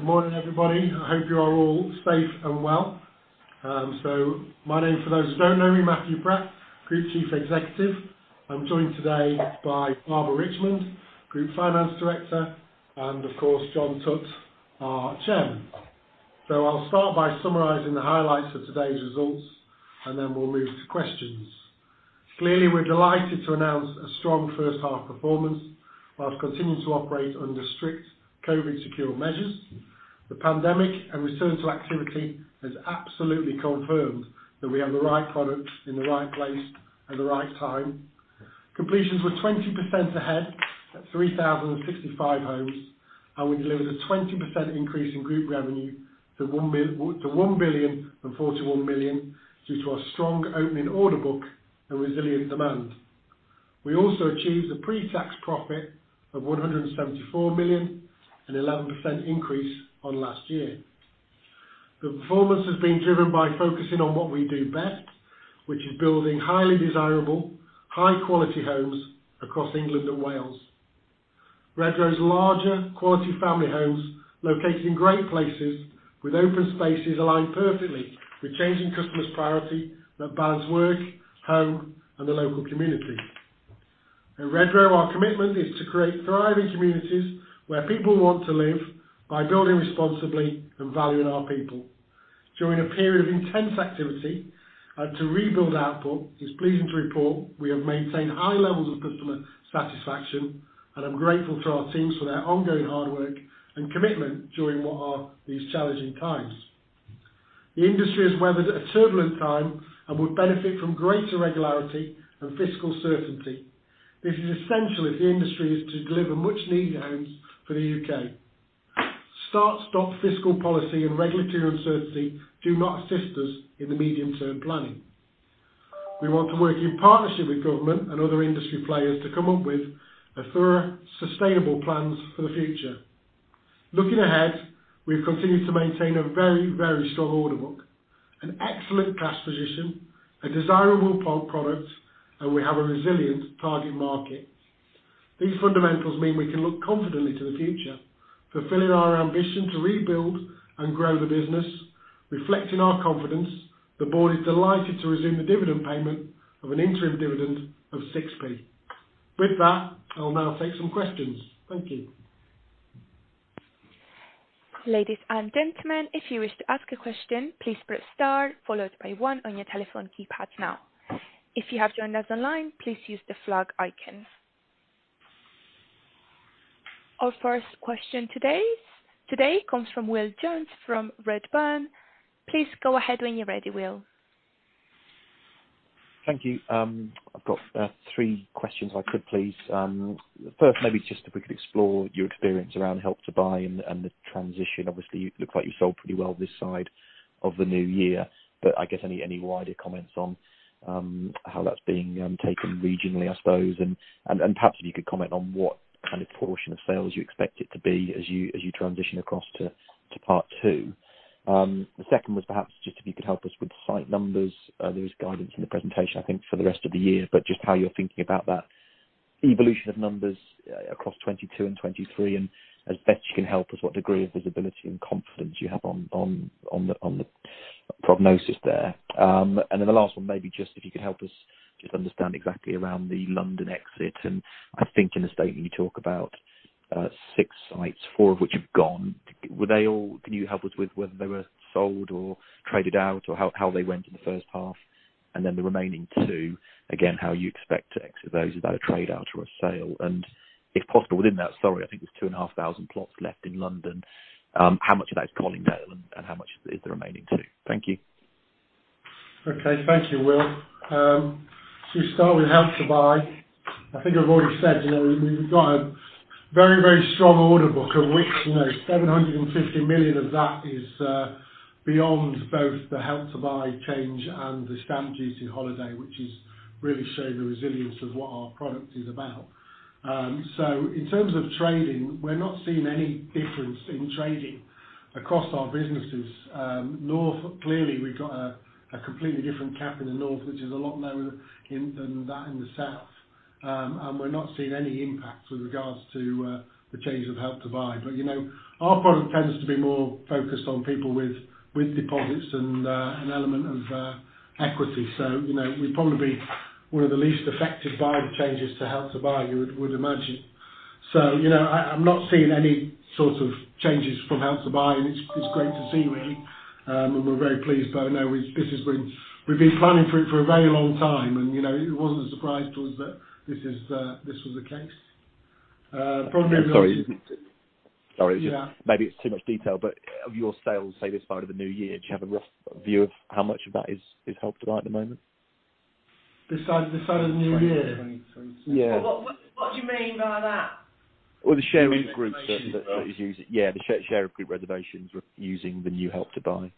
Good morning, everybody. I hope you are all safe and well. My name, for those who don't know me, Matthew Pratt, Group Chief Executive. I'm joined today by Barbara Richmond, Group Finance Director, and of course, John Tutte, our Chairman. I'll start by summarizing the highlights of today's results, and then we'll move to questions. Clearly, we're delighted to announce a strong first half performance whilst continuing to operate under strict COVID secure measures. The pandemic and return to activity has absolutely confirmed that we have the right products in the right place at the right time. Completions were 20% ahead at 3,065 homes, and we delivered a 20% increase in group revenue to 1,041 million due to our strong opening order book and resilient demand. We also achieved a pre-tax profit of 174 million, an 11% increase on last year. The performance has been driven by focusing on what we do best, which is building highly desirable, high-quality homes across England and Wales. Redrow's larger, quality family homes located in great places with open spaces align perfectly with changing customers' priority that balance work, home, and the local community. At Redrow, our commitment is to create thriving communities where people want to live by building responsibly and valuing our people. During a period of intense activity to rebuild output, it's pleasing to report we have maintained high levels of customer satisfaction, and I'm grateful to our teams for their ongoing hard work and commitment during what are these challenging times. The industry has weathered a turbulent time and would benefit from greater regularity and fiscal certainty. This is essential if the industry is to deliver much needed homes for the U.K. Start/stop fiscal policy and regulatory uncertainty do not assist us in the medium-term planning. We want to work in partnership with government and other industry players to come up with thorough, sustainable plans for the future. Looking ahead, we've continued to maintain a very, very strong order book, an excellent cash position, a desirable product, and we have a resilient target market. These fundamentals mean we can look confidently to the future, fulfilling our ambition to rebuild and grow the business. Reflecting our confidence, the board is delighted to resume the dividend payment of an interim dividend of 0.06. With that, I'll now take some questions. Thank you. Our first question today comes from Will Jones from Redburn. Please go ahead when you're ready, Will. Thank you. I've got three questions if I could, please. First, maybe just if we could explore your experience around Help to Buy and the transition. Obviously, you look like you sold pretty well this side of the new year. I guess any wider comments on how that's being taken regionally, I suppose. Perhaps if you could comment on what kind of portion of sales you expect it to be as you transition across to Part II. The second was perhaps just if you could help us with site numbers. There was guidance in the presentation, I think, for the rest of the year. Just how you're thinking about that evolution of numbers across 2022 and 2023 and as best you can help us, what degree of visibility and confidence you have on the prognosis there. The last one, maybe just if you could help us just understand exactly around the London exit, I think in the statement you talk about six sites, four of which have gone. Can you help us with whether they were sold or traded out, or how they went in the first half? The remaining two, again, how you expect to exit those? Is that a trade out or a sale? If possible within that, sorry, I think there's 2,500 plots left in London. How much of that is Colindale and how much is the remaining two? Thank you. Okay. Thank you, Will. To start with Help to Buy, I think I've already said we've got a very strong order book, of which 750 million of that is beyond both the Help to Buy change and the stamp duty holiday, which is really showing the resilience of what our product is about. In terms of trading, we're not seeing any difference in trading across our businesses. North, clearly we've got a completely different cap in the North, which is a lot lower than that in the South. We're not seeing any impact with regards to the change of Help to Buy. Our product tends to be more focused on people with deposits and an element of equity. We're probably one of the least affected by the changes to Help to Buy, you would imagine. I'm not seeing any sort of changes from Help to Buy, and it's great to see really. We're very pleased by that. We've been planning for it for a very long time, and it wasn't a surprise to us that this was the case. Sorry. Yeah. Maybe it's too much detail, but of your sales, say this side of the new year, do you have a rough view of how much of that is Help to Buy at the moment? This side of the new year? Yeah. What do you mean by that? Well, the share of group reservations using the new Help to Buy.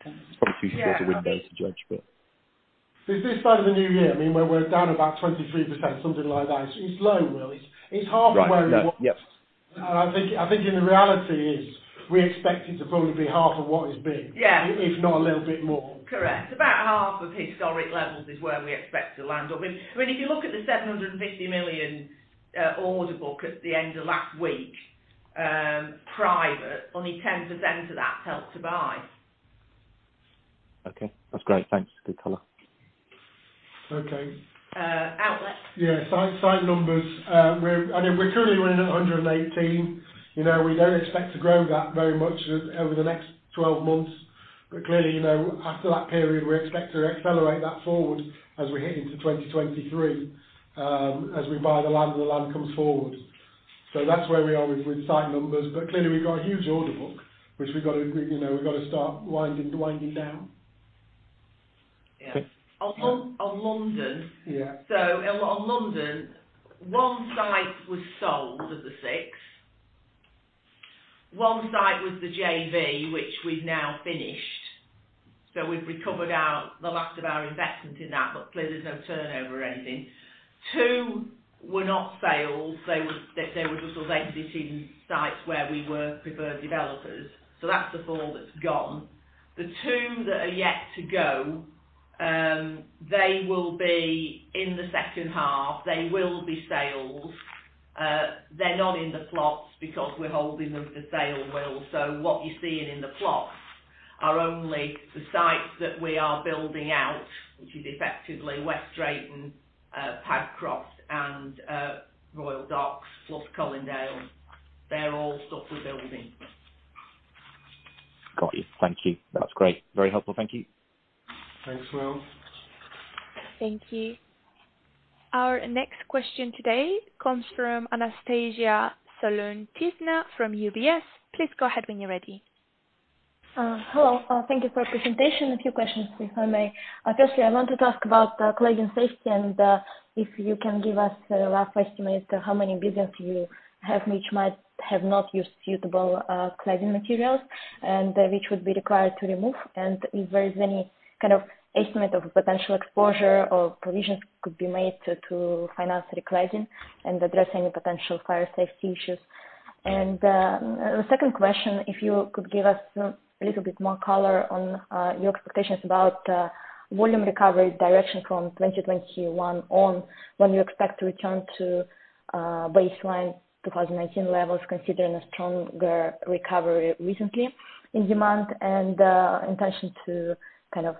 Probably too soon in the window to judge. Since this side of the new year, where we're down about 23%, something like that. It's low, Will. It's half of where it was. Right. Yeah. I think in reality is we expect it to probably be half of what it's been. Yeah. If not a little bit more. Correct. About half of historic levels is where we expect to land. If you look at the 750 million order book at the end of last week, private, only 10% of that is Help to Buy. Okay. That's great. Thanks. Good color. Okay. outlet. Yeah, site numbers. We're currently running at 118. We don't expect to grow that very much over the next 12 months. Clearly, after that period, we expect to accelerate that forward as we hit into 2023, as we buy the land, and the land comes forward. That's where we are with site numbers. Clearly, we've got a huge order book, which we've got to start winding down. Yeah. Yeah. On London, one site was sold of the six. One site was the JV, which we've now finished. We've recovered the last of our investment in that, but clearly there's no turnover or anything. Two were not sales. They were sort of exiting sites where we were preferred developers. That's the four that's gone. The two that are yet to go, they will be in the second half. They will be sold. They're not in the plots because we're holding them for sale. What you're seeing in the plots are only the sites that we are building out, which is effectively West Drayton, Padcroft and Royal Docks plus Colindale. They're all stuff we're building. Got you. Thank you. That's great. Very helpful. Thank you. Thanks, Will. Thank you. Our next question today comes from Anastasia Solonitsyna from UBS. Please go ahead when you're ready. Hello. Thank you for your presentation. A few questions, if I may. Firstly, I wanted to ask about cladding safety, and if you can give us a rough estimate as to how many buildings you have which might have not used suitable cladding materials and which would be required to remove, and if there is any kind of estimate of potential exposure or provisions could be made to finance recladding and address any potential fire safety issues. The second question, if you could give us a little bit more color on your expectations about volume recovery direction from 2021 on, when you expect to return to baseline 2019 levels, considering a stronger recovery recently in demand and intention to kind of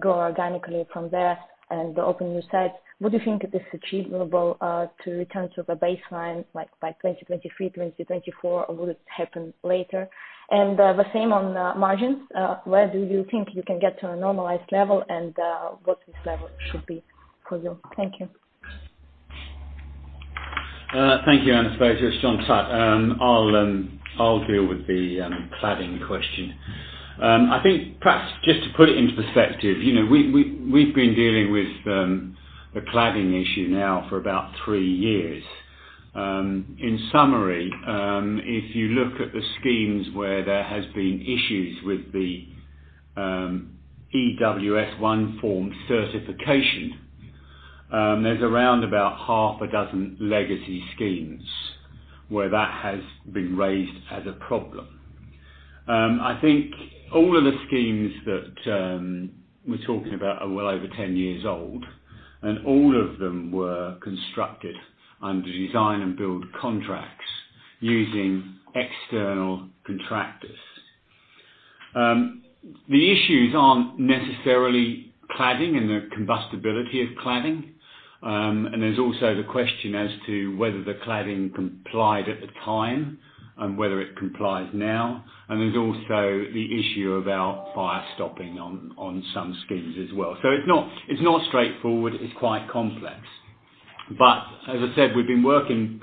grow organically from there and open new sites. Would you think it is achievable, to return to the baseline like by 2023, 2024, or will it happen later? The same on margins, where do you think you can get to a normalized level and what this level should be for you? Thank you. Thank you, Anastasia. It's John Tutte. I'll deal with the cladding question. I think perhaps just to put it into perspective, we've been dealing with the cladding issue now for about three years. In summary, if you look at the schemes where there has been issues with the EWS1 form certification, there's around about half a dozen legacy schemes where that has been raised as a problem. I think all of the schemes that we're talking about are well over 10 years old. All of them were constructed under design and build contracts using external contractors. The issues aren't necessarily cladding and the combustibility of cladding. There's also the question as to whether the cladding complied at the time and whether it complies now. There's also the issue about fire stopping on some schemes as well. It's not straightforward, it's quite complex. As I said, we've been working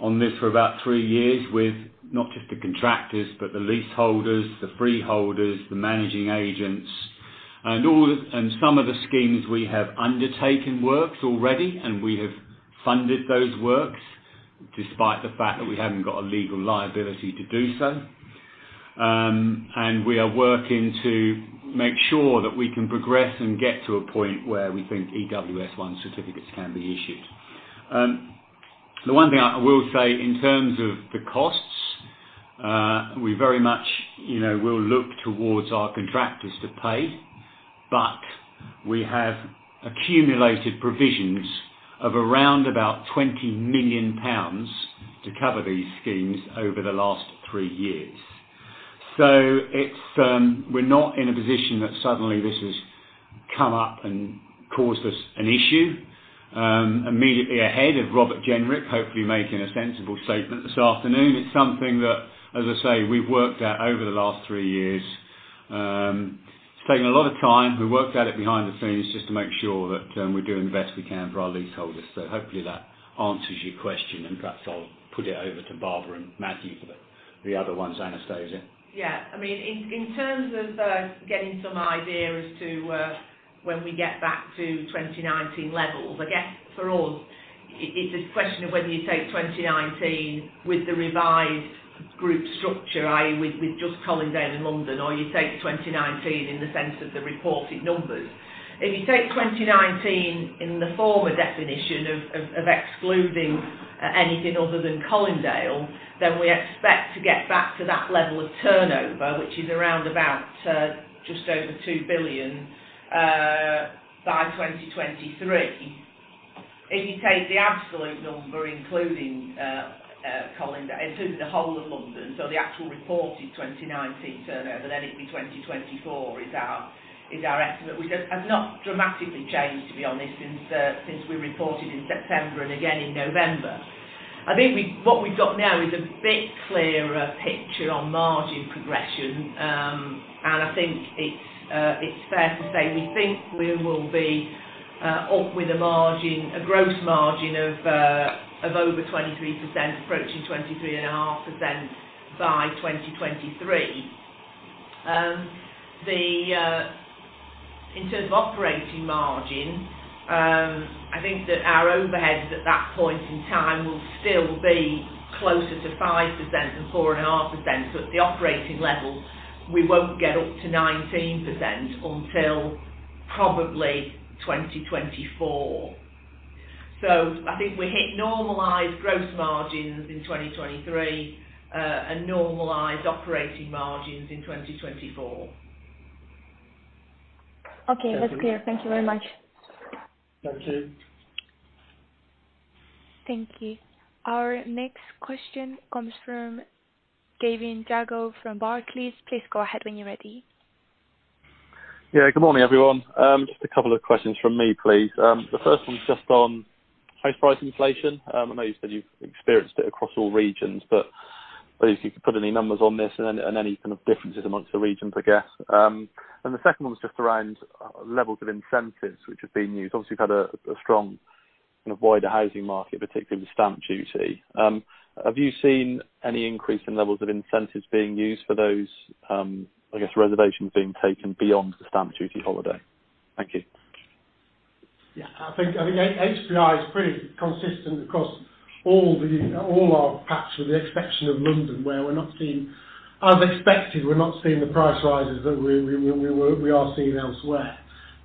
on this for about three years with not just the contractors, but the leaseholders, the freeholders, the managing agents. In some of the schemes we have undertaken works already, we have funded those works despite the fact that we haven't got a legal liability to do so. We are working to make sure that we can progress and get to a point where we think EWS1 certificates can be issued. The one thing I will say in terms of the costs, we very much will look towards our contractors to pay, we have accumulated provisions of around about 20 million pounds to cover these schemes over the last three years. We're not in a position that suddenly this has come up and caused us an issue immediately ahead of Robert Jenrick hopefully making a sensible statement this afternoon. It's something that, as I say, we've worked at over the last three years. It's taken a lot of time. We worked at it behind the scenes just to make sure that we're doing the best we can for our leaseholders. Hopefully that answers your question, and perhaps I'll put it over to Barbara and Matthew for the other ones, Anastasia. Yeah. In terms of getting some idea as to when we get back to 2019 levels, I guess for us, it's a question of whether you take 2019 with the revised group structure, i.e., with just Colindale and London, or you take 2019 in the sense of the reported numbers. If you take 2019 in the former definition of excluding anything other than Colindale, then we expect to get back to that level of turnover, which is around about just over 2 billion by 2023. If you take the absolute number, including the whole of London, so the actual reported 2019 turnover, then it'd be 2024 is our estimate. Which has not dramatically changed, to be honest, since we reported in September and again in November. I think what we've got now is a bit clearer picture on margin progression. I think it's fair to say, we think we will be up with a gross margin of over 23%, approaching 23.5% by 2023. In terms of operating margin, I think that our overheads at that point in time will still be closer to 5% than 4.5%. At the operating level, we won't get up to 19% until probably 2024. I think we hit normalized gross margins in 2023, and normalized operating margins in 2024. Okay. That's clear. Thank you very much. Thank you. Our next question comes from Gavin Jago from Barclays. Please go ahead when you're ready. Yeah. Good morning, everyone. Just a couple of questions from me, please. The first one's just on house price inflation. I know you said you've experienced it across all regions, but I don't know if you could put any numbers on this and any kind of differences amongst the regions, I guess. The second one was just around levels of incentives which have been used. Obviously, you've had a strong kind of wider housing market, particularly with stamp duty. Have you seen any increase in levels of incentives being used for those, I guess, reservations being taken beyond the stamp duty holiday? Thank you. Yeah. I think HPI is pretty consistent across all our patch with the exception of London, where we're not seeing, as expected, we're not seeing the price rises that we are seeing elsewhere.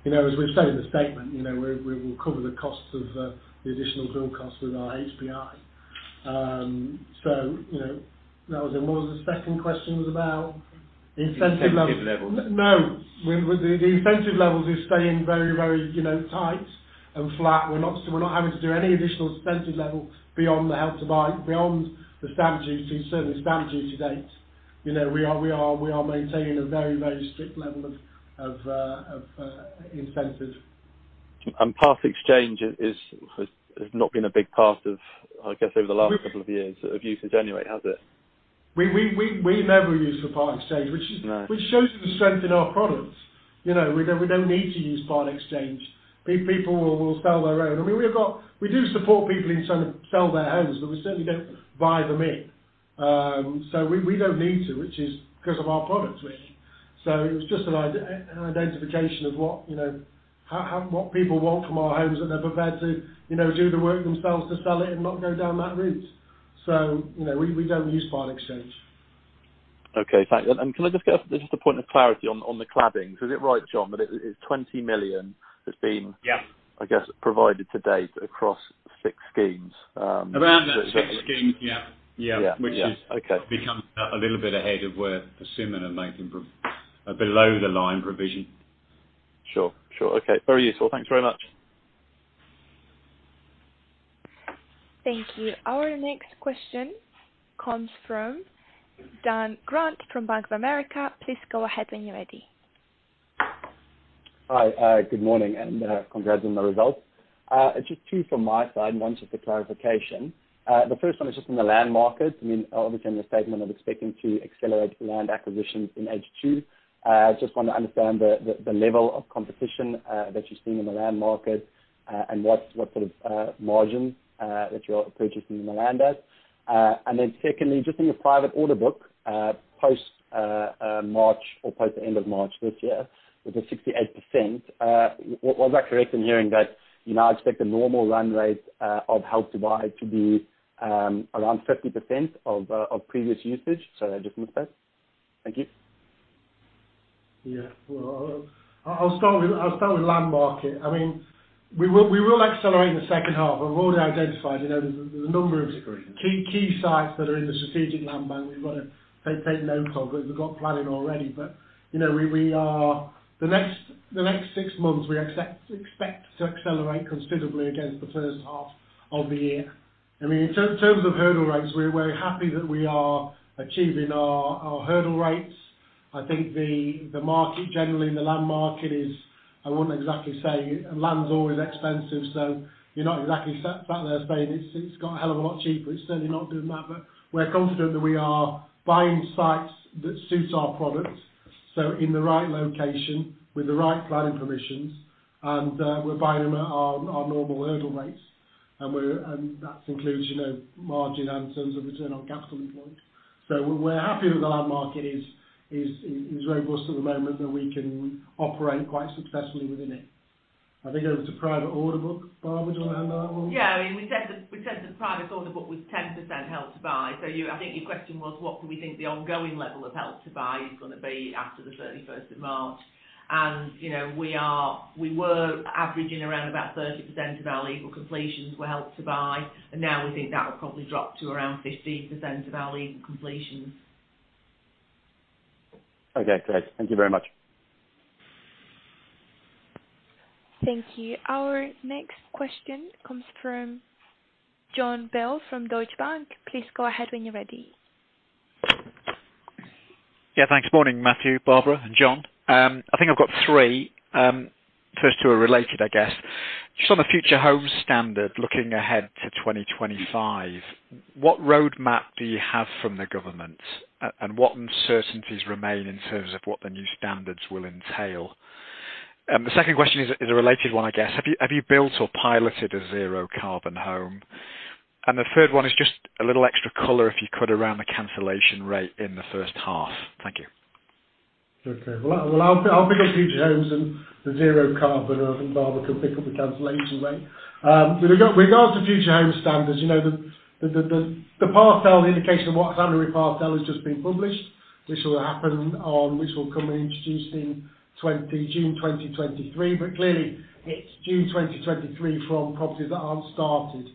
As we've said in the statement, we will cover the costs of the additional build costs with our HPI. What was the second question about? Incentive levels. Incentive levels. No. The incentive levels is staying very tight and flat. We're not having to do any additional incentive level beyond the stamp duty, certain stamp duty dates. We are maintaining a very strict level of incentives. Part exchange has not been a big part of, I guess, over the last couple of years, of usage anyway, has it? We never use the part exchange. No. Which shows you the strength in our products. We don't need to use part exchange. People will sell their own. We do support people in trying to sell their homes, but we certainly don't buy them in. We don't need to, which is because of our product range. It was just an identification of what people want from our homes, and they're prepared to do the work themselves to sell it and not go down that route. We don't use part exchange. Okay. Thanks. Can I get just a point of clarity on the claddings. Is it right, John, that it is 20 million? Yeah I guess, provided to date across six schemes. Around that six schemes. Yeah. Yeah. Okay. Which has become a little bit ahead of where Persimmon are making below the line provision. Sure. Okay. Very useful. Thanks very much. Thank you. Our next question comes from Dan Grant from Bank of America. Please go ahead when you are ready. Hi. Good morning, congrats on the results. Just two from my side, one's just a clarification. The first one is just on the land market. Obviously, in the statement of expecting to accelerate land acquisitions in H2. Just want to understand the level of competition that you're seeing in the land market, and what sort of margins that you're purchasing the land at. Secondly, just in your private order book, post-March or post the end of March this year, with the 68%, was I correct in hearing that you now expect a normal run rate of Help to Buy to be around 50% of previous usage? Sorry, I just missed that. Thank you. Well, I'll start with land market. We will accelerate in the second half. We've already identified there's a number of key sites that are in the strategic land bank we've got to take note of, that we've got planning already. The next six months, we expect to accelerate considerably against the first half of the year. In terms of hurdle rates, we're very happy that we are achieving our hurdle rates. I think the market generally, and the land market is, I wouldn't exactly say land's always expensive, so you're not exactly sat there saying it's got a hell of a lot cheaper. It's certainly not doing that. We're confident that we are buying sites that suits our product. In the right location with the right planning permissions, and we're buying them at our normal hurdle rates. That includes margin and in terms of return on capital employed. We're happy that the land market is robust at the moment, that we can operate quite successfully within it. I think over to private order book. Barbara, do you want to handle that one? We said that private order book was 10% Help to Buy. I think your question was, what do we think the ongoing level of Help to Buy is going to be after the March 31st? We were averaging around about 30% of our legal completions were Help to Buy, and now we think that will probably drop to around 15% of our legal completions. Okay, great. Thank you very much. Thank you. Our next question comes from Jon Bell from Deutsche Bank. Please go ahead when you're ready. Thanks. Morning, Matthew, Barbara, and John. I think I've got three. First two are related, I guess. Just on the Future Homes Standard, looking ahead to 2025, what roadmap do you have from the government? What uncertainties remain in terms of what the new standards will entail? The second question is a related one, I guess. Have you built or piloted a zero carbon home? The third one is just a little extra color, if you could, around the cancellation rate in the first half. Thank you. Okay. Well, I'll pick up Future Homes and the zero carbon, and I think Barbara can pick up the cancellation rate. With regards to Future Homes Standard, the indication of what Part L has just been published, which will come introduced in June 2023, but clearly it's June 2023 from properties that aren't started.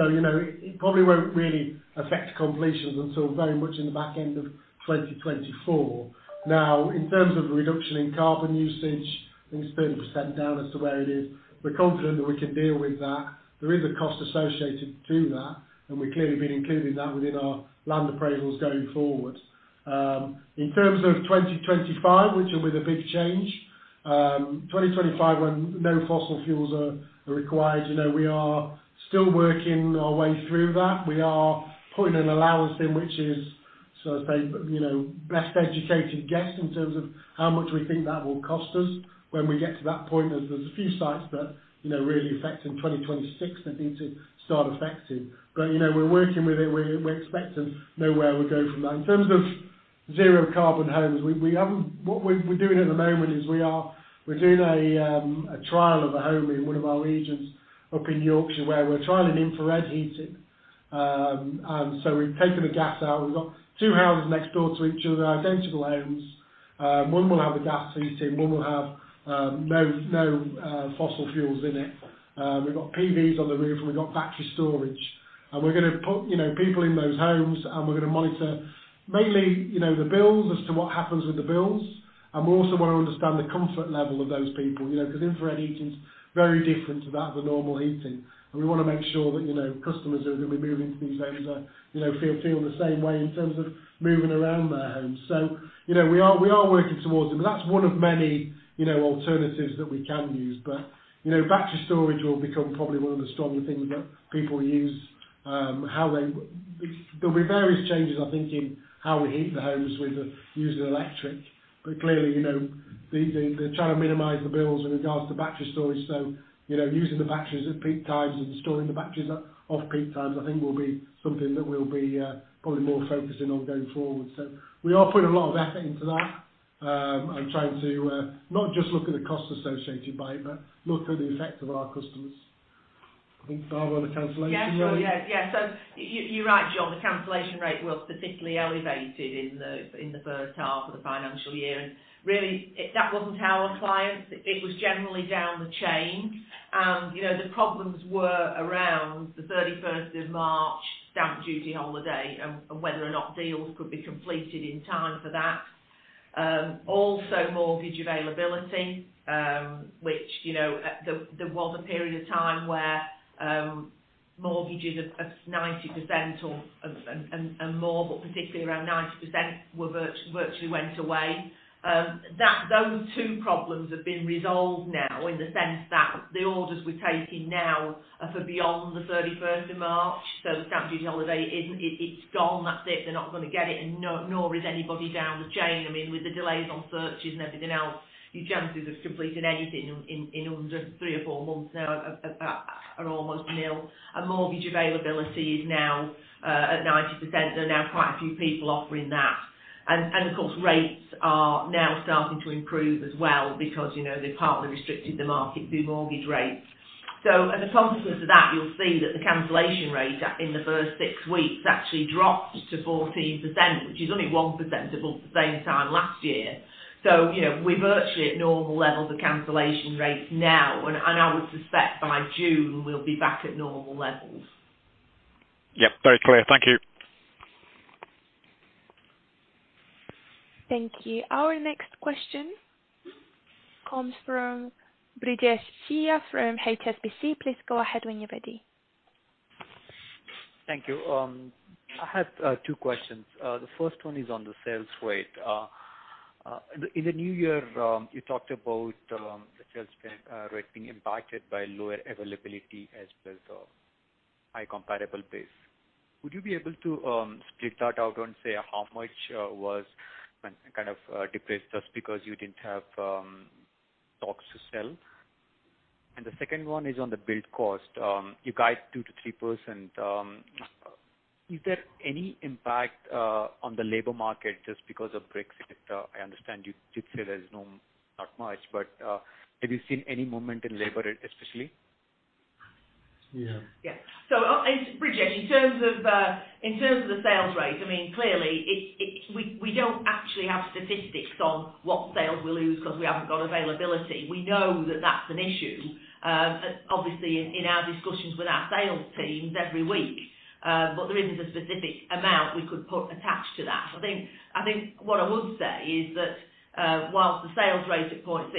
It probably won't really affect completions until very much in the back end of 2024. Now, in terms of reduction in carbon usage, I think it's 30% down as to where it is. We're confident that we can deal with that. There is a cost associated to that, and we clearly have been including that within our land appraisals going forward. In terms of 2025, which will be the big change. 2025, when no fossil fuels are required. We are still working our way through that. We are putting an allowance in which is, so to say, best educated guess in terms of how much we think that will cost us when we get to that point, as there's a few sites that really affect in 2026 that need to start affecting. We're working with it. We're expecting nowhere will go from that. In terms of zero carbon homes, what we're doing at the moment is we're doing a trial of a home in one of our regions up in Yorkshire, where we're trialing infrared heating. We've taken the gas out. We've got two houses next door to each other, identical homes. One will have the gas heating, one will have no fossil fuels in it. We've got PVs on the roof, and we've got battery storage. We're going to put people in those homes, and we're going to monitor mainly the bills as to what happens with the bills. We also want to understand the comfort level of those people, because infrared heating is very different to that of a normal heating. We want to make sure that customers who are going to be moving to these homes feel the same way in terms of moving around their homes. We are working towards them. That's one of many alternatives that we can use. Battery storage will become probably one of the stronger things that people use. There'll be various changes, I think, in how we heat the homes with using electric. Clearly, they're trying to minimize the bills with regards to battery storage. Using the batteries at peak times and storing the batteries at off-peak times, I think, will be something that we'll be probably more focusing on going forward. We are putting a lot of effort into that and trying to not just look at the cost associated by it, but look at the effect of our customers. I think Barbara on the cancellation rate. Yeah, you're right, Jon, the cancellation rate was particularly elevated in the first half of the financial year. Really, that wasn't our clients. It was generally down the chain. The problems were around the March 31st stamp duty holiday and whether or not deals could be completed in time for that. Also mortgage availability, which there was a period of time where mortgages of 90% or more, but particularly around 90% virtually went away. Those two problems have been resolved now in the sense that the orders we're taking now are for beyond the March 31st. The stamp duty holiday, it's gone. That's it. They're not going to get it, and nor is anybody down the chain. With the delays on searches and everything else, your chances of completing anything in under three or four months now are almost nil. Mortgage availability is now at 90%. There are now quite a few people offering that. Of course, rates are now starting to improve as well because they've partly restricted the market through mortgage rates. As a consequence of that, you'll see that the cancellation rate in the first six weeks actually dropped to 14%, which is only 1% above the same time last year. We're virtually at normal levels of cancellation rates now, and I would suspect by June we'll be back at normal levels. Yep, very clear. Thank you. Thank you. Our next question comes from Brijesh Siya from HSBC. Please go ahead when you are ready. Thank you. I have two questions. The first one is on the sales rate. In the new year, you talked about the sales rate being impacted by lower availability as well as a high comparable base. Would you be able to split that out and say how much was kind of depressed just because you didn't have stocks to sell? The second one is on the build cost. You guide 2%-3%. Is there any impact on the labor market just because of Brexit? I understand you did say there's not much, but have you seen any movement in labor especially? Yeah. Yeah. Brijesh, in terms of the sales rate, clearly, we don't actually have statistics on what sales we lose because we haven't got availability. We know that that's an issue, obviously, in our discussions with our sales teams every week. There isn't a specific amount we could attach to that. I think what I would say is that, whilst the sales rate at 0.67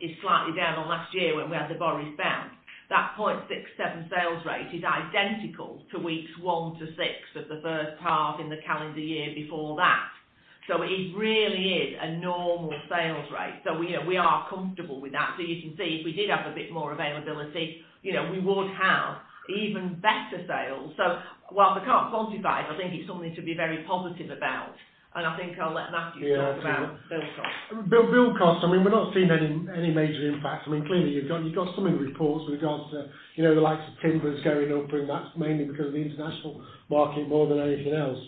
is slightly down on last year when we had the Boris bounce, that 0.67 sales rate is identical to weeks one to six of the first half in the calendar year before that. It really is a normal sales rate. We are comfortable with that. You can see if we did have a bit more availability, we would have even better sales. While we can't quantify it, I think it's something to be very positive about. I think I'll let Matthew talk about build cost. Build cost, we're not seeing any major impacts. Clearly, you've got some in the reports with regards to the likes of timbers going up, and that's mainly because of the international market more than anything else.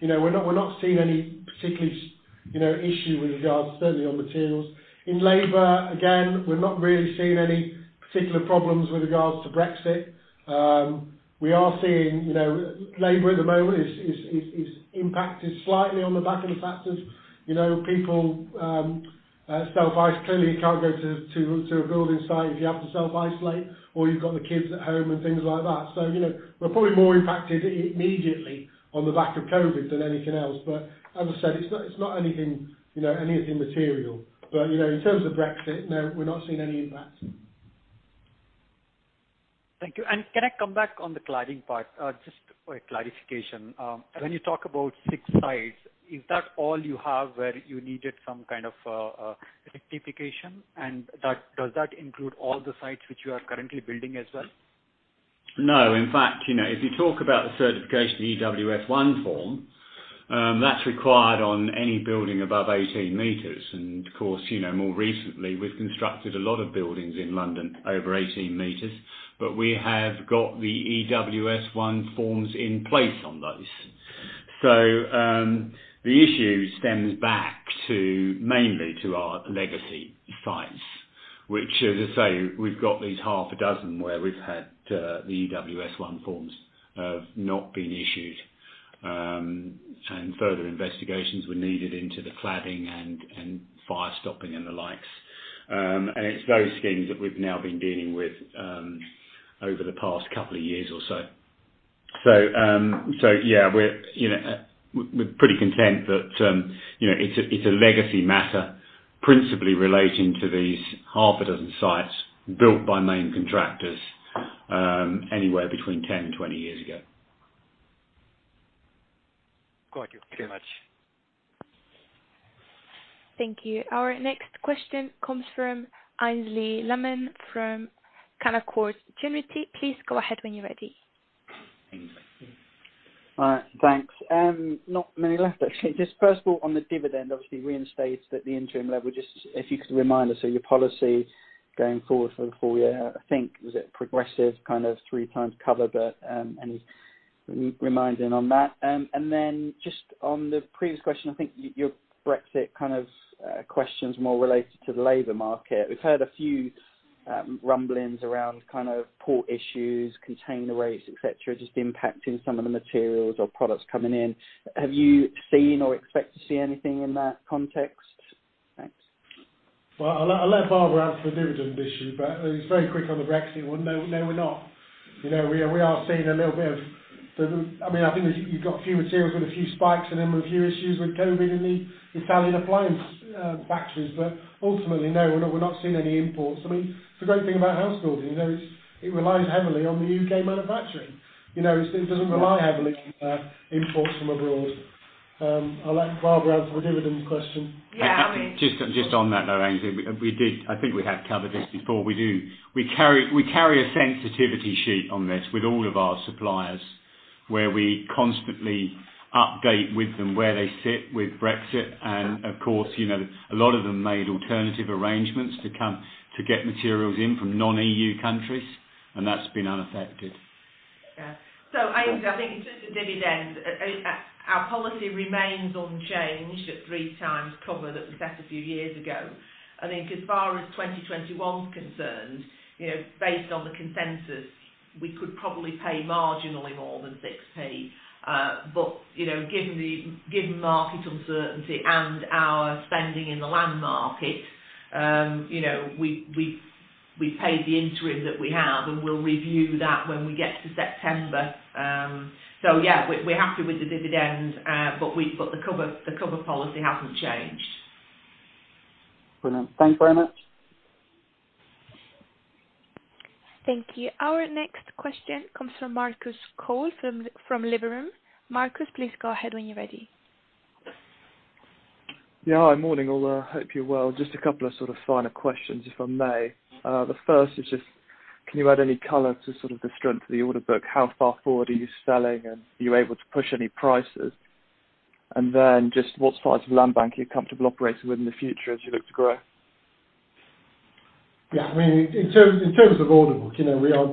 We're not seeing any particular issue with regards, certainly on materials. In labor, again, we're not really seeing any particular problems with regards to Brexit. We are seeing labor at the moment is impacted slightly on the back of the fact of people. Clearly you can't go to a building site if you have to self-isolate or you've got the kids at home and things like that. We're probably more impacted immediately on the back of COVID than anything else. As I said, it's not anything material. In terms of Brexit, no, we're not seeing any impact. Thank you. Can I come back on the cladding part, just for clarification. When you talk about six sites, is that all you have where you needed some kind of rectification? Does that include all the sites which you are currently building as well? No. In fact, if you talk about the certification, the EWS1 form, that's required on any building above 18 meters. Of course, more recently, we've constructed a lot of buildings in London over 18 meters. We have got the EWS1 forms in place on those. The issue stems back mainly to our legacy sites, which, as I say, we've got these half a dozen where we've had the EWS1 forms have not been issued. Further investigations were needed into the cladding and fire stopping and the likes. It's those schemes that we've now been dealing with over the past couple of years or so. Yeah, we're pretty content that it's a legacy matter principally relating to these half a dozen sites built by main contractors anywhere between 10 and 20 years ago. Thank you very much. Thank you. Our next question comes from Aynsley Lammin from Canaccord Genuity. Please go ahead when you're ready. Thanks. Not many left, actually. Just first of all, on the dividend, obviously reinstate that the interim level. Just if you could remind us of your policy going forward for the full year. I think was it progressive kind of 3x cover, any reminding on that? On the previous question, I think your Brexit questions more related to the labor market. We've heard a few rumblings around port issues, container rates, et cetera, just impacting some of the materials or products coming in. Have you seen or expect to see anything in that context? Thanks. Well, I'll let Barbara answer the dividend issue, but just very quick on the Brexit one. No, we're not. We are seeing a little bit of I think you've got a few materials with a few spikes and then a few issues with COVID and the Italian appliance factories. Ultimately, no, we're not seeing any imports. It's the great thing about house building, it relies heavily on the U.K. manufacturing. It doesn't rely heavily on imports from abroad. I'll let Barbara answer the dividend question. Yeah, I mean- Just on that, though, Aynsley. I think we have covered this before. We carry a sensitivity sheet on this with all of our suppliers, where we constantly update with them where they sit with Brexit. Of course, a lot of them made alternative arrangements to get materials in from non-EU countries, and that's been unaffected. Yeah. Aynsley, I think in terms of dividend, our policy remains unchanged at 3x cover that was set a few years ago. I think as far as 2021 is concerned, based on the consensus, we could probably pay marginally more than 0.06. Given market uncertainty and our spending in the land market, we paid the interim that we have, and we'll review that when we get to September. Yeah, we're happy with the dividend, but the cover policy hasn't changed. Brilliant. Thanks very much. Thank you. Our next question comes from Marcus Cole from Liberum. Marcus, please go ahead when you're ready. Yeah. Hi, morning, all. I hope you're well. Just a couple of sort of finer questions, if I may. The first is just, can you add any color to sort of the strength of the order book? How far forward are you selling, and are you able to push any prices? Just what size of land bank are you comfortable operating with in the future as you look to grow? Yeah, in terms of order book, the key thing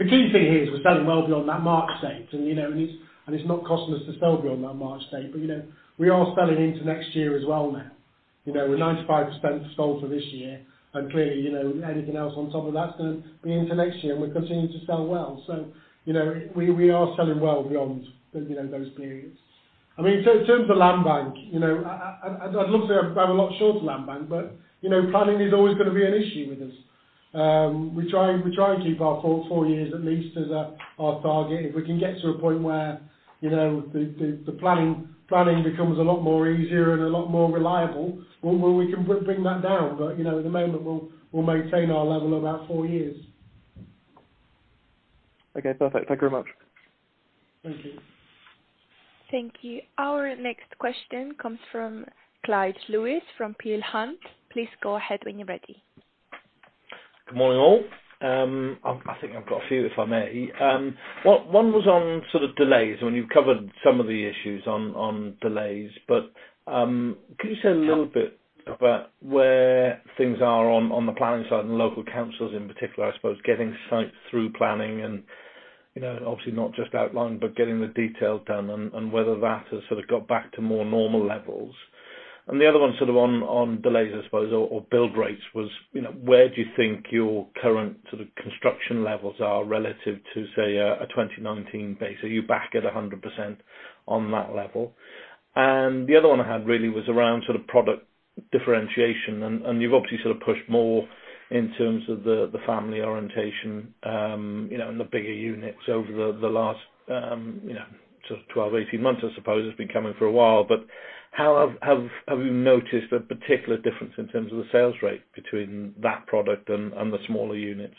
here is we're selling well beyond that March date. It's not costing us to sell beyond that March date, but we are selling into next year as well now. We're 95% sold for this year. Clearly, anything else on top of that will be into next year, and we're continuing to sell well. We are selling well beyond those periods. In terms of land bank, I'd love to have a lot short of land bank, but planning is always going to be an issue with us. We try and keep our four years at least as our target. If we can get to a point where the planning becomes a lot more easier and a lot more reliable, where we can bring that down. At the moment, we'll maintain our level about four years. Okay, perfect. Thank you very much. Thank you. Thank you. Our next question comes from Clyde Lewis from Peel Hunt. Please go ahead when you're ready. Good morning, all. I think I've got a few, if I may. One was on delays, and you've covered some of the issues on delays, but can you say a little bit about where things are on the planning side and local councils in particular, I suppose, getting sites through planning and obviously not just outlined, but getting the detail done and whether that has got back to more normal levels. The other one on delays, I suppose, or build rates was, where do you think your current construction levels are relative to, say, a 2019 base? Are you back at 100% on that level? The other one I had really was around product differentiation, and you've obviously pushed more in terms of the family orientation, and the bigger units over the last 12, 18 months, I suppose. It's been coming for a while. Have you noticed a particular difference in terms of the sales rate between that product and the smaller units?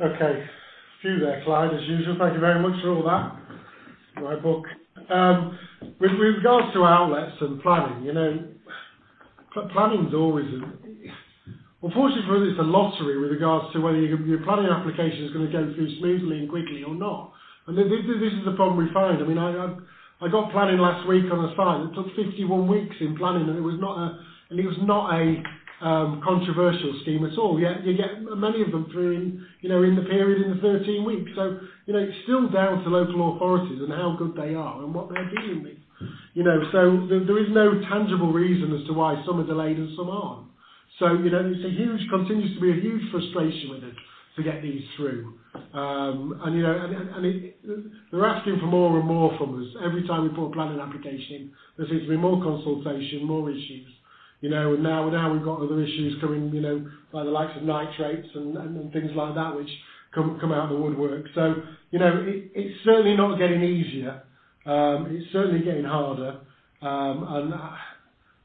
Okay. Few there, Clyde, as usual. Thank you very much for all that. With regards to outlets and planning, fortunately, it's a lottery with regards to whether your planning application is going to go through smoothly and quickly or not. This is the problem we find. I got planning last week on a site, and it took 51 weeks in planning, and it was not a controversial scheme at all. Yet you get many of them through in the period in the 13 weeks. It's still down to local authorities and how good they are and what they're dealing with. There is no tangible reason as to why some are delayed and some aren't. It continues to be a huge frustration with it to get these through. They're asking for more and more from us. Every time we put a planning application, there seems to be more consultation, more issues. We've got other issues coming by the likes of nitrates and things like that, which come out of the woodwork. It's certainly not getting easier. It's certainly getting harder.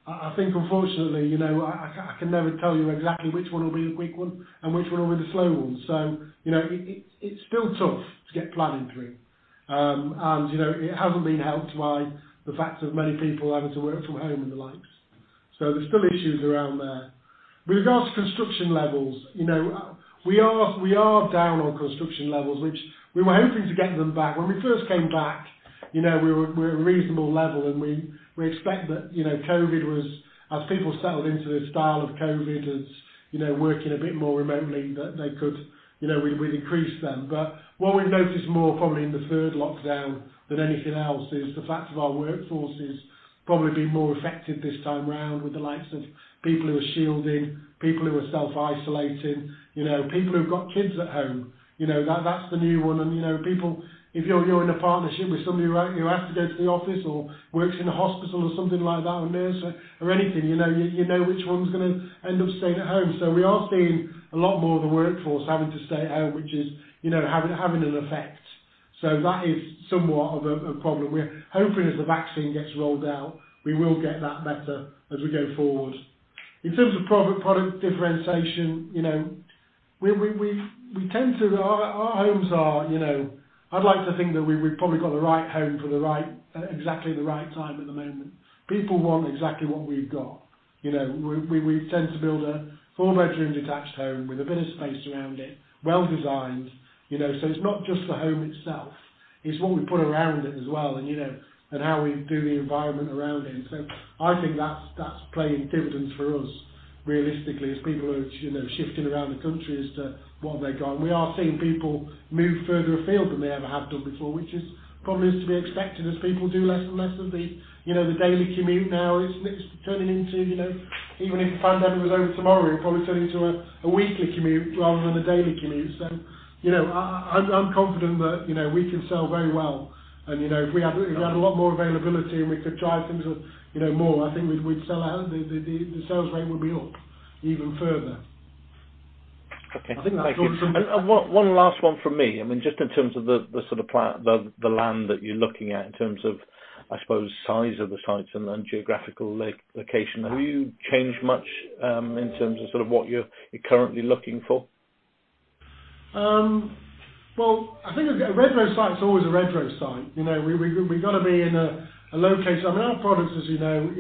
I think unfortunately, I can never tell you exactly which one will be the quick one and which one will be the slow one. It's still tough to get planning through. It hasn't been helped by the fact of many people having to work from home and the likes. There's still issues around there. With regards to construction levels, we are down on construction levels, which we were hoping to get them back. When we first came back, we were at a reasonable level, and we expect that as people settled into this style of COVID, as working a bit more remotely, that we'd increase them. What we've noticed more probably in the third lockdown than anything else is the fact of our workforce has probably been more affected this time around with the likes of people who are shielding, people who are self-isolating, people who've got kids at home. That's the new one. If you're in a partnership with somebody who has to go to the office or works in a hospital or something like that, a nurse or anything, you know which one's going to end up staying at home. We are seeing a lot more of the workforce having to stay at home, which is having an effect. That is somewhat of a problem. We're hoping as the vaccine gets rolled out, we will get that better as we go forward. In terms of product differentiation, our homes I'd like to think that we've probably got the right home for exactly the right time at the moment. People want exactly what we've got. We tend to build a four-bedroom detached home with a bit of space around it, well designed. It's not just the home itself, it's what we put around it as well and how we do the environment around it. I think that's playing dividends for us realistically as people are shifting around the country as to what they've got. We are seeing people move further afield than they ever have done before, which probably is to be expected as people do less and less of the daily commute now. It's turning into, even if the pandemic was over tomorrow, it'd probably turn into a weekly commute rather than a daily commute. I'm confident that we can sell very well. If we had a lot more availability and we could drive things more, I think the sales rate would be up even further. Okay. Thank you. One last one from me. Just in terms of the land that you're looking at in terms of, I suppose, size of the sites and then geographical location, have you changed much, in terms of what you're currently looking for? Well, I think a Redrow site is always a Redrow site. We've got to be in a location. Our products, as you know,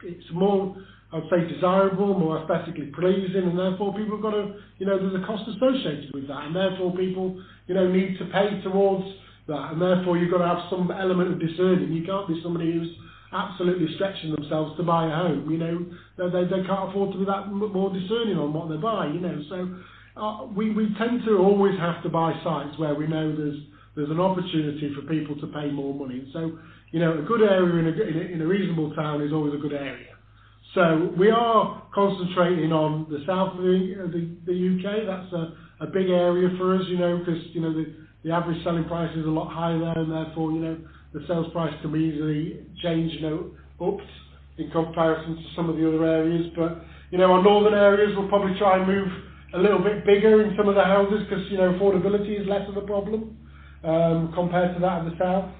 it's more, I'd say, desirable, more aesthetically pleasing, and therefore, there's a cost associated with that, and therefore, people need to pay towards that, and therefore, you've got to have some element of discerning. You can't be somebody who's absolutely stretching themselves to buy a home. They can't afford to be that more discerning on what they buy. We tend to always have to buy sites where we know there's an opportunity for people to pay more money. A good area in a reasonable town is always a good area. We are concentrating on the south of the U.K. That's a big area for us, because the average selling price is a lot higher there, and therefore, the sales price can easily change ups in comparison to some of the other areas. Our northern areas will probably try and move a little bit bigger in some of the houses because affordability is less of a problem compared to that in the south.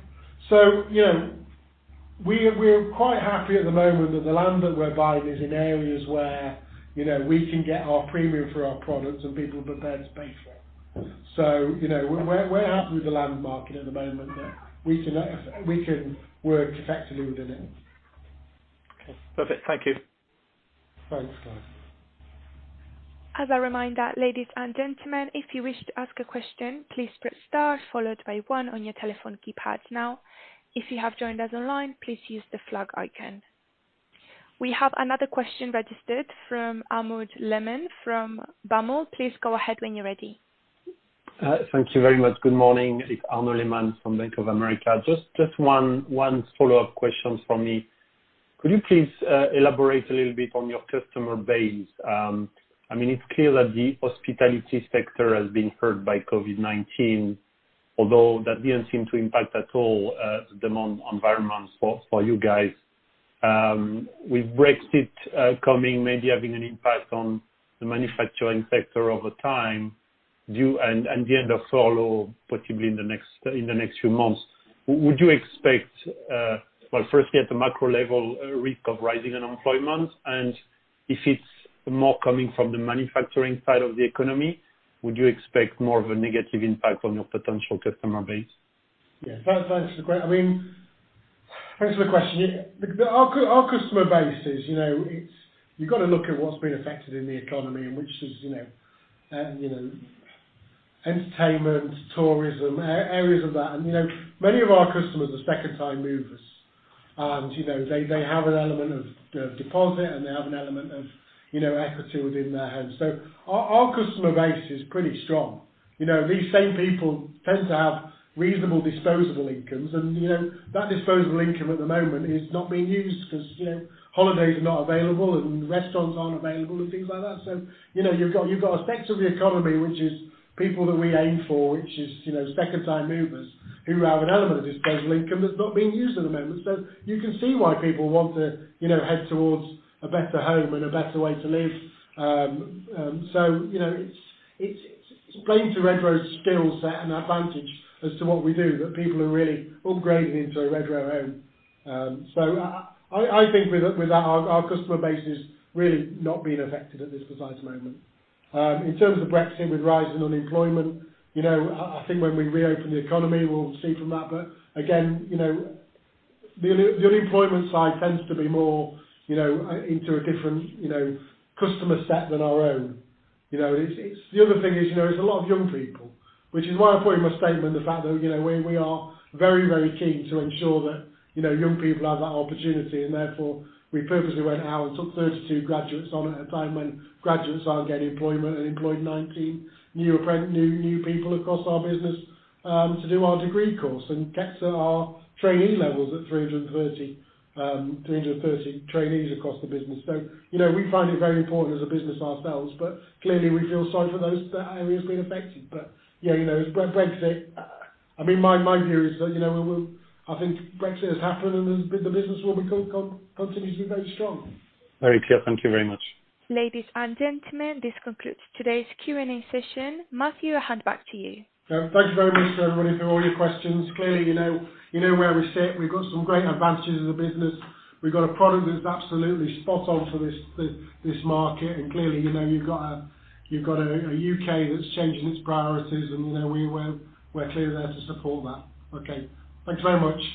We're quite happy at the moment that the land that we're buying is in areas where we can get our premium for our products and people are prepared to pay for it. We're happy with the land market at the moment that we can work effectively within it. Okay. Perfect. Thank you. Thanks, guys. As a reminder, ladies and gentlemen, if you wish to ask a question, please press star followed by one on your telephone keypads now. If you have joined us online, please use the flag icon. We have another question registered from Arnaud Lehmann from BAML. Please go ahead when you're ready. Thank you very much. Good morning. It's Arnaud Lehmann from Bank of America. Just one follow-up question from me. Could you please elaborate a little bit on your customer base? It's clear that the hospitality sector has been hurt by COVID-19, although that didn't seem to impact at all the demand environment for you guys. With Brexit coming, maybe having an impact on the manufacturing sector over time, and the end of furlough possibly in the next few months, would you expect, firstly at the macro level, a risk of rising unemployment? If it's more coming from the manufacturing side of the economy, would you expect more of a negative impact on your potential customer base? Yeah. Thanks. Thanks for the question. Our customer base, you've got to look at what's been affected in the economy, which is entertainment, tourism, areas of that. Many of our customers are second-time movers. They have an element of deposit, and they have an element of equity within their homes. Our customer base is pretty strong. These same people tend to have reasonable disposable incomes, and that disposable income at the moment is not being used because holidays are not available and restaurants aren't available and things like that. You've got a sector of the economy, which is people that we aim for, which is second-time movers who have an element of disposable income that's not being used at the moment. You can see why people want to head towards a better home and a better way to live. It's playing to Redrow's skill set and advantage as to what we do, that people are really upgrading into a Redrow home. I think with that, our customer base is really not being affected at this precise moment. In terms of Brexit, with rising unemployment, I think when we reopen the economy, we'll see from that. Again, the unemployment side tends to be more into a different customer set than our own. The other thing is there's a lot of young people, which is why I put in my statement the fact that we are very, very keen to ensure that young people have that opportunity, and therefore, we purposely went out and took 32 graduates on at a time when graduates aren't getting employment and employed 19 new people across our business, to do our degree course and gets our trainee levels at 330 trainees across the business. We find it very important as a business ourselves, but clearly, we feel sorry for those areas being affected. Brexit, my view is that I think Brexit has happened, and the business will continue to be very strong. Very clear. Thank you very much. Ladies and gentlemen, this concludes today's Q&A session. Matthew, I hand back to you. Thank you very much to everybody for all your questions. Clearly, you know where we sit. We've got some great advantages as a business. We've got a product that's absolutely spot on for this market, and clearly, you've got a U.K. that's changing its priorities, and we're clearly there to support that. Okay. Thanks very much.